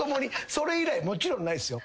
それ以来もちろんないっすよ。